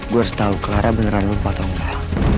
gue harus tahu clara beneran lupa atau enggak